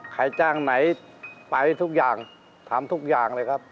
ใครจ้างไหนไปทุกอย่างถามทุกอย่างเลยครับ